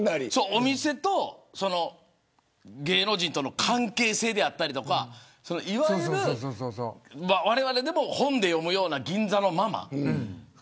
お店と芸能人との関係性であったりわれわれでも本で読むような銀座のママ。